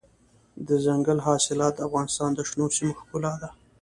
دځنګل حاصلات د افغانستان د شنو سیمو ښکلا ده.